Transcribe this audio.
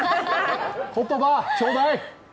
言葉ちょうだい！